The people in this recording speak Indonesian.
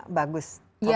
apa yang bisa membuatnya